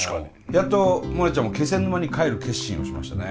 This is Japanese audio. やっとモネちゃんも気仙沼に帰る決心をしましたね。